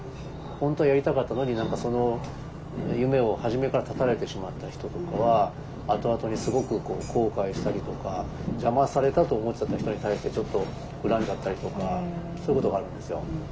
本当はやりたかったのに何かその夢を初めから断たれてしまった人とかは後々にすごく後悔したりとか邪魔されたと思っちゃった人に対してちょっと恨んじゃったりとかそういうことがあるんですよ。